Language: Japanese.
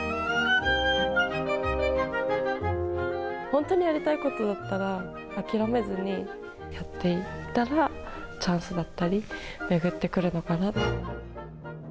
本当にやりたいことだったら、諦めずにやっていたら、チャンスだったり、巡ってくるのかな。